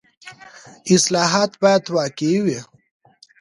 اصلاحات باید واقعي وي.